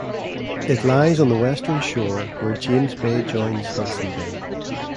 It lies on the western shore where James Bay joins Hudson Bay.